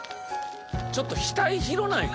ちょっと額広ないか？